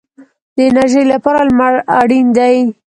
د انرژۍ لپاره لمر اړین دی